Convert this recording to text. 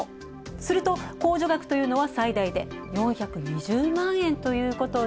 すると、控除額というのは最大で４２０万円ということで